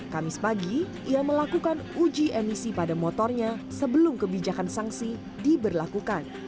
kamis pagi ia melakukan uji emisi pada motornya sebelum kebijakan sanksi diberlakukan